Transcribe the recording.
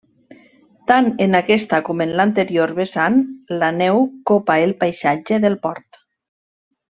Tant en aquesta com en l'anterior vessant, la neu copa el paisatge del port.